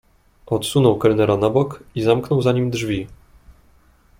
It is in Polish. "Odsunął kelnera na bok i zamknął za nim drzwi."